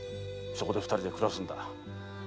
そこで二人で暮らすんだな。